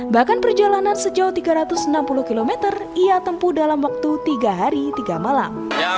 bahkan perjalanan sejauh tiga ratus enam puluh km ia tempuh dalam waktu tiga hari tiga malam